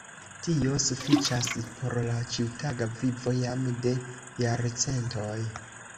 Tio sufiĉas por la ĉiutaga vivo jam de jarcentoj.